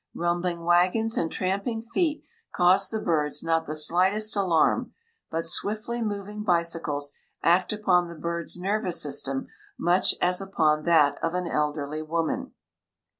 Rumbling wagons and tramping feet cause the birds not the slightest alarm, but swiftly moving bicycles act upon the birds' nervous system much as upon that of an elderly woman.